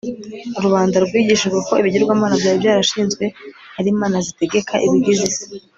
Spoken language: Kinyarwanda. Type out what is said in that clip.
rubanda rwigishijwe ko ibigirwamana byari byarashinzwe ari imana zitegeka ibigize isi